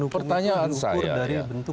nah pertanyaan saya